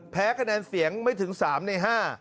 แพ้คะแนนเสียงไม่ถึง๓ใน๕